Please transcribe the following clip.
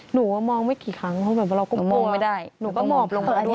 หนูว่ามองไม่กี่ครั้งเพราะแบบว่าเราก้มไม่ได้หนูก็หมอบลงมาด้วย